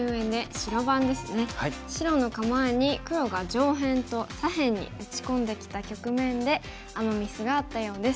白の構えに黒が上辺と左辺に打ち込んできた局面でアマ・ミスがあったようです。